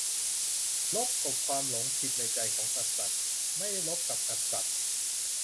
"รบกับความหลงผิดในใจของกษัตริย์ ไม่ได้รบกับกษัตริย์"